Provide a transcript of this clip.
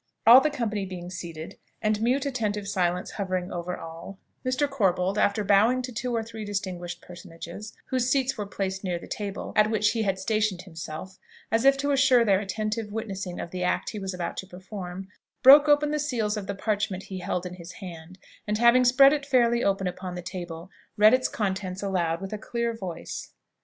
All the company being seated, and mute attentive silence hovering over all, Mr. Corbold, after bowing to two or three distinguished personages, whose seats were placed near the table at which he had stationed himself as if to assure their attentive witnessing of the act he was about to perform, broke open the seals of the parchment he held in his hand, and having spread it fairly open upon the table, read its contents aloud with a clear voice.